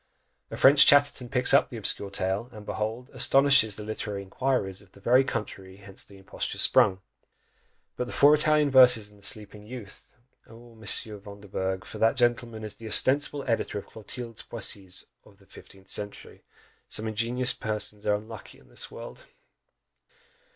A French Chatterton picks up the obscure tale, and behold, astonishes the literary inquirers of the very country whence the imposture sprung! But the FOUR Italian verses, and the Sleeping Youth! Oh! Monsieur Vanderbourg! for that gentleman is the ostensible editor of Clotilde's poesies of the fifteenth century, some ingenious persons are unlucky in this world!